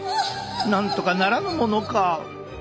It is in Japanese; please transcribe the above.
なんとかならぬものか？